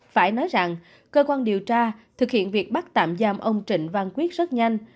phải nói rằng cơ quan điều tra thực hiện việc bắt tạm giam ông trịnh văn quyết rất nhanh